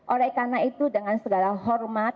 oleh karena itu dengan segala hormat